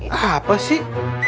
oh apa sih